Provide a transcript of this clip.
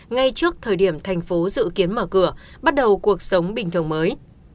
ngay trước thời điểm thành phố dự kiến mở cửa bắt đầu cuộc sống bình thường mới